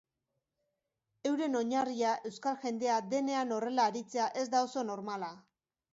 Euren oinarria euskal jendea denean horrela aritzea ez da oso normala.